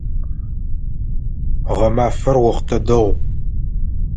Гъэмафэр охътэ дэгъу.